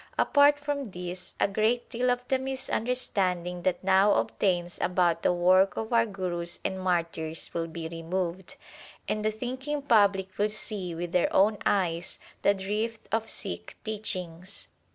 Apart from this, a great deal of the misunderstanding that now obtains about the work of our Gurus and Martyrs will be removed, and the thinking public will see with their own eyes the drift of Sikh teachings.